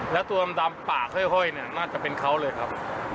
และตัวดำปากเฮ้ยน่าจะเป็นเขาเลยครับ